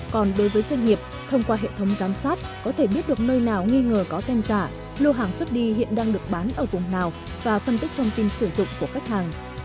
còn đối với doanh nghiệp thông qua hệ thống giám sát có thể biết được nơi nào nghi ngờ có tem giả lô hàng xuất đi hiện đang được bán ở vùng nào và phân tích thông tin sử dụng của khách hàng